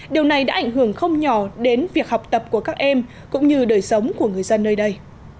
điều này đã ảnh hưởng không nhỏ đến việc học tập của các em cũng như đời sống của người dân nơi đây